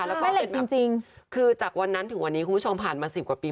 แล้วก็เห็ดจริงคือจากวันนั้นถึงวันนี้คุณผู้ชมผ่านมาสิบกว่าปี